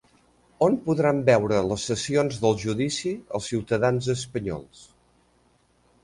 On podran veure les sessions del judici els ciutadans espanyols?